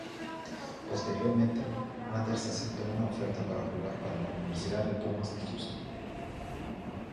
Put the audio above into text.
Posteriormente, Anders aceptó una oferta para jugar para la Universidad de Pumas de Houston.